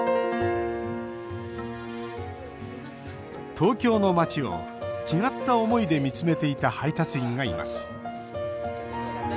東京の街を、違った思いで見つめていた配達員がいます。